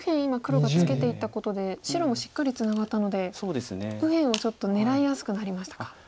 今黒がツケていったことで白もしっかりツナがったので右辺をちょっと狙いやすくなりましたか。